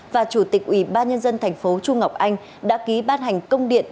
và chủ tịch ủy ban nhân dân thành phố chu ngọc anh đã ký ban hành công điện